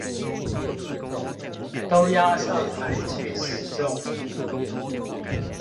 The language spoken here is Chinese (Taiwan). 都押上台去示眾